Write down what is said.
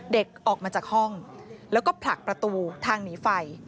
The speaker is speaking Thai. เด็กออกมาจากห้องแล้วก็ผลักประตูทางหนีไฟ